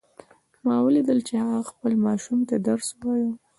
ما ولیدل چې هغې خپل ماشوم ته درس وایه